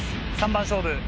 ３番勝負。